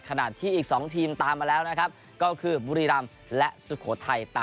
ขณะที่อีก๒ทีมตามมาแล้วนะครับก็คือบุรีรำและสุโขทัย